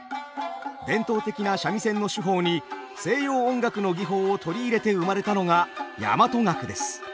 伝統的な三味線の手法に西洋音楽の技法を取り入れて生まれたのが大和楽です。